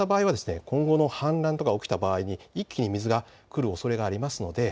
そうした場合は今後、氾濫が起きた場合、一気に水が来るおそれがあります。